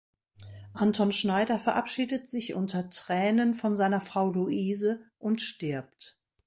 Anton Schneider verabschiedet sich unter Tränen von seiner Frau Luise und stirbt.